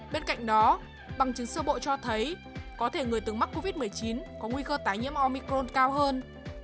tuy nhiên bằng chứng sơ bộ cho thấy có thể người từng mắc covid một mươi chín có nguy cơ tái nhiễm omicron cao hơn